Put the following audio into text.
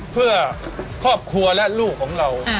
เพื่อครอบครัวและลูกของเรา